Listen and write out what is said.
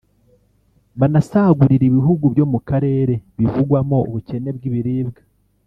banasagurire ibihugu byo mu karere bivugwamo ubukene bw’ibiribwa